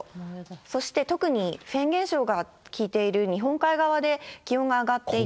そしてとくにフェーン現象が効いている日本海側で気温が上がっていて。